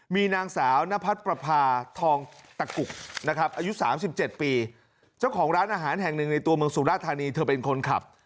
มีนางสาวนพัดประพาทองตะกุกนะครับอายุ๓๗ปีเจ้าของร้านอาหารแห่งหนึ่งในตัวเมืองสุราธานีเธอเป็นคนขับ